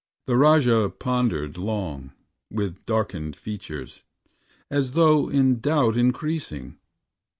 The Rajah pondered long, with darkened features, As though in doubt increasing.